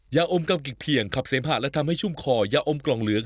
ยาอมกำกิกเพียงขับเสมหะและทำให้ชุ่มคอยาอมกล่องเหลือง